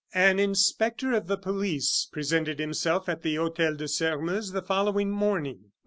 An inspector of the police presented himself at the Hotel de Sairmeuse the following morning.